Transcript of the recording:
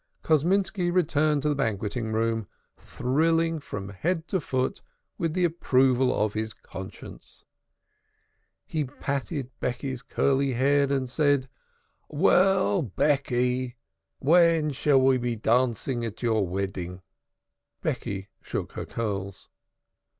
Kosminski returned to the banqueting room, thrilling from head to foot with the approval of his conscience. He patted Becky's curly head and said: "Well, Becky, when shall we be dancing at your wedding?" Becky shook her curls.